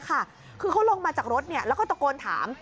คือเขาลงมาจากรถแล้วก็ตะโกนถาม